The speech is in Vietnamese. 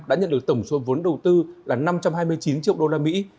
đã nhận được tổng số vốn đầu tư là năm trăm hai mươi chín triệu đô la mỹ